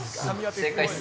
正解っす。